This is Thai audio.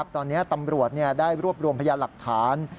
ตอนนี้ตำรวจได้รวบรวมพยานหลักฐาน